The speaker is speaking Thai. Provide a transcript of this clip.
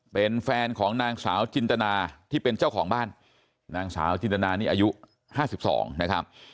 เป็นแฟนของนางสาวจินตนาที่เป็นเจ้าของบ้านนางสาวจินตนานี่อายุ๕๒นะครับ